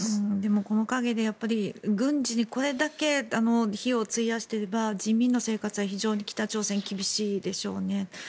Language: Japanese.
この陰で軍事にこれだけ費用を費やしていれば人民の生活は北朝鮮は厳しいでしょうね。